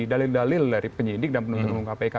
dalil dalil dari penyidik dan penonton kpik